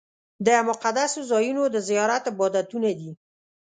د مقدسو ځایونو د زیارت عبادتونه دي.